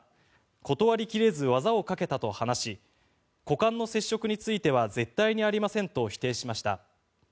断り切れず、技をかけたと話し股間の接触については絶対にありませんと否定しました。